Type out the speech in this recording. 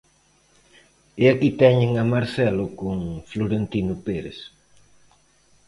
E aquí teñen a Marcelo con Florentino Pérez.